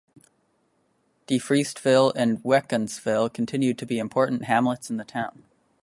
Defreestville and Wynantskill continue to be important hamlets in the town.